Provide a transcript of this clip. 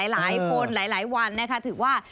หลายคนหลายวันนะคะถือว่า